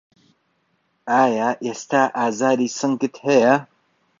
و ئایا ئێستا ئازاری سنگت هەیە؟